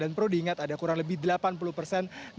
dan perlu diingat ada kurang lebih delapan puluh persen nelayan